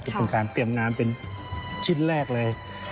ส่วนการเปรียบงานเป็นชิ้นแรกเลย